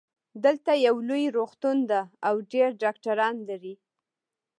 دلته یو لوی روغتون ده او ډېر ډاکټران لری